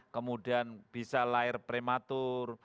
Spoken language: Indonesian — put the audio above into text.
kemudian bisa lahir prematur